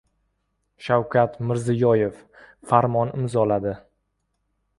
Shavkat Mirziyoyev Farmon imzoladi